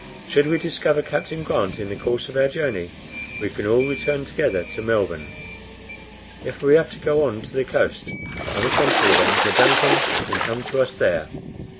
Should we discover Captain Grant in the course of our journey, we can all return together to Melbourne. If we have to go on to the coast, on the contrary, then the DUNCAN can come to us there.